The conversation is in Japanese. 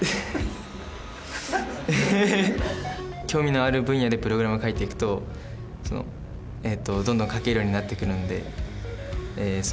興味のある分野でプログラム書いていくとそのえっとどんどん書けるようになってくるんでえ